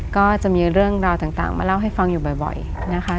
ก็จะมีเรื่องราวต่างมาเล่าให้ฟังอยู่บ่อยนะคะ